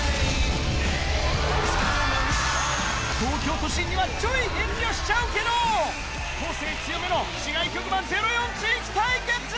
東京都心にはちょい遠慮しちゃうけど、個性強めの市外局番０４地域対決。